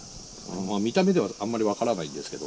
見た目ではあんまり分からないんですけど。